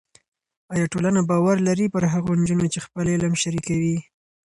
ایا ټولنه باور لري پر هغو نجونو چې خپل علم شریکوي؟